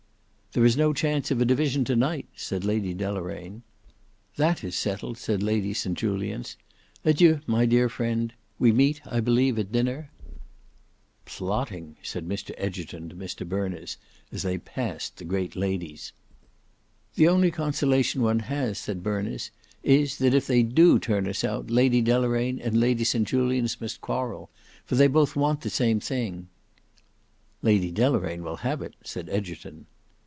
"There is no chance of a division to night," said Lady Deloraine. "That is settled," said Lady St Julians. "Adieu, my dear friend. We meet, I believe, at dinner?" "Plotting," said Mr Egerton to Mr Berners, as they passed the great ladies. "The only consolation one has," said Berners, "is, that if they do turn us out, Lady Deloraine and Lady St Julians must quarrel, for they both want the same thing." "Lady Deloraine will have it," said Egerton.